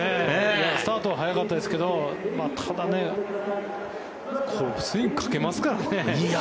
スタートは早かったですけどただ、スイングかけますからね。